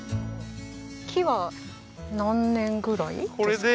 木は何年ぐらいですか？